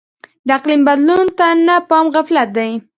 د اقلیم بدلون ته نه پام غفلت دی.